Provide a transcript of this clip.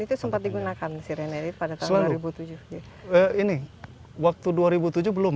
dan itu sempat digunakan sirine ini pada tahun dua ribu tujuh